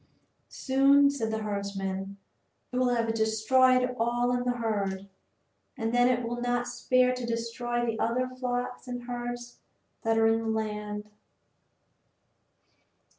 "Soon," said the herdsman, "it will have destroyed all in the herd, and then it will not spare to destroy the other flocks and herds that are in the land."